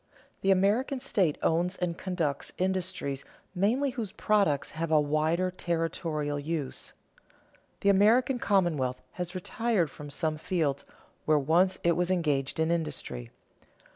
The American state owns and conducts industries mainly whose products have a wider territorial use. The American commonwealth has retired from some fields where once it was engaged in industry.